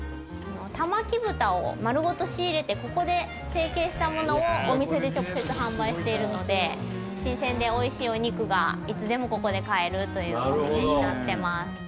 玉城豚を丸ごと仕入れてここで整形したものをお店で直接販売しているので新鮮で美味しいお肉がいつでもここで買えるという所になってます。